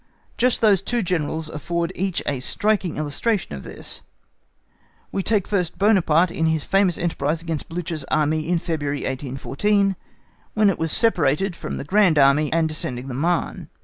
Just those two Generals afford each a striking illustration of this. We take first Buonaparte in his famous enterprise against Blücher's Army in February 1814, when it was separated from the Grand Army, and descending the Marne.